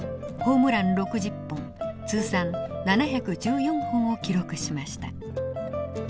ホームラン６０本通算７１４本を記録しました。